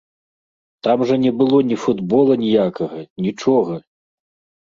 Там жа не было ні футбола ніякага, нічога.